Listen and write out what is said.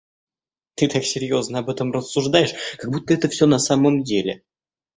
Ты так серьёзно об этом рассуждаешь, как будто это всё на самом деле!